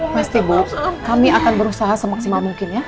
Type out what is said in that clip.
mesti bu kami akan berusaha semaksimal mungkin ya